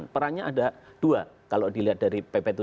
perannya ada dua kalau dilihat dari pp tujuh puluh sembilan itu